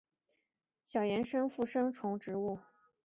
圆叶狸藻为狸藻属多年生小型岩生或附生食虫植物。